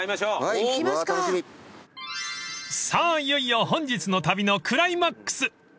いよいよ本日の旅のクライマックス！］